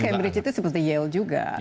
cambridge itu seperti yield juga